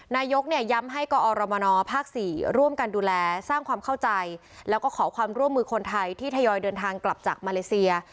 นายกเนี่ยย้ำให้กอรมนภาค๔ร่วมกันดูแลสร้างความเข้าใจแล้วก็ขอความร่วมมือคนไทยที่ทยอยเดินทางกลับจากมาเลเซีย